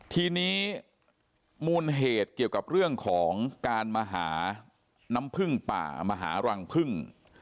ทีนี้มูลเหตุเกี่ยวกับเรื่องของการมาหาน้ำพึ่งป่ามาหารังพึ่ง